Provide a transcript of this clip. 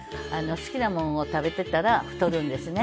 好きなものを食べていたら太るんですねやっぱり。